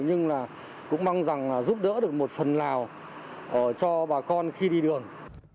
nhưng là cũng mong rằng giúp đỡ được một phần nào cho bà con khi đi đường